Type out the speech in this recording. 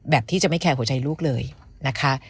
ที่จะไม่แคร์หัวใจลูกเลยนะคะ